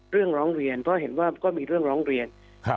ร้องเรียนเพราะเห็นว่าก็มีเรื่องร้องเรียน